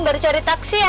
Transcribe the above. baru cari taksi ya